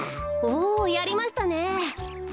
おやりましたね。